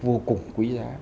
vô cùng quý giá